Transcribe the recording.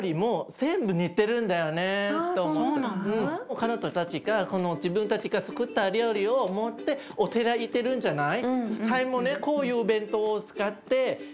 彼女たちが自分たちがつくった料理を持ってお寺行ってるんじゃない？